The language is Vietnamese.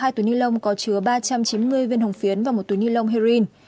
hai túi ni lông có chứa ba trăm chín mươi viên hồng phiến và một túi ni lông heroin